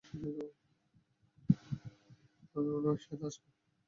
আমি আমার মেয়ের সাথে আসব।